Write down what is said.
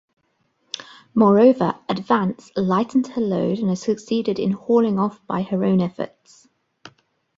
Moreover, "Advance" lightened her load and succeeded in hauling off by her own efforts.